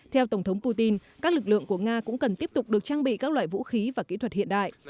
theo tổng thống putin các lực lượng của nga cũng cần tiếp tục được trang bị các loại vũ khí và kỹ thuật hiện đại